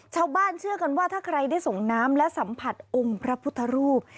เชื่อกันว่าถ้าใครได้ส่งน้ำและสัมผัสองค์พระพุทธรูป